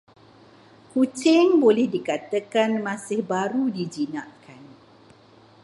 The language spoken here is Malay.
Kucing boleh dikatakan masih baru dijinakkan.